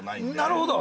◆なるほど。